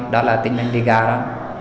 đó là tin lạnh đi gà đó